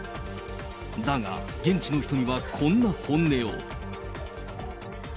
だが、現地の人にはこんな本音を。